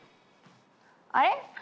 あれ？